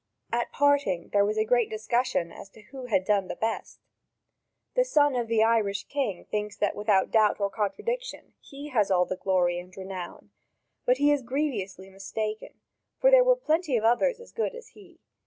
At parting there was a great discussion as to who had done the best. The son of the Irish king thinks that without doubt or contradiction he has all the glory and renown. But he is grievously mistaken, for there were plenty of others as good as he.